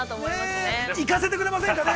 ◆ねー、行かせてくれませんかね？